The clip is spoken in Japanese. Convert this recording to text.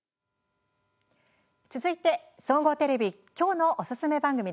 続いて、総合テレビきょうのおすすめ番組です。